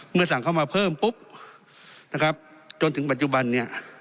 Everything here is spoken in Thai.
สั่งเข้ามาเพิ่มปุ๊บนะครับจนถึงปัจจุบันเนี่ย